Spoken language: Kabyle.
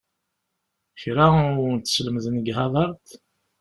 Kra ur wen-t-sslemden deg Havard?